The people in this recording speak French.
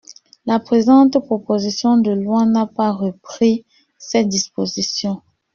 La présente proposition de loi n’a pas repris cette disposition.